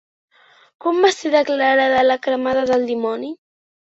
Com va ser declarada la Cremada del Dimoni?